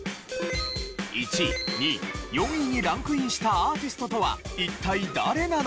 １位２位４位にランクインしたアーティストとは一体誰なのか？